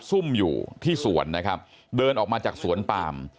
ซุ่มอยู่ที่สวนนะครับเดินออกมาจากสวนปาม